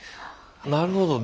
なるほど。